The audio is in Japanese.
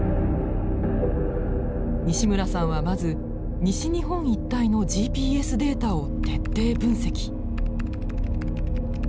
西村さんはまず西日本一帯のＧＰＳデータを徹底分析。